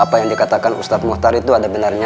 apa yang dikatakan ustadz muhtar itu ada benarnya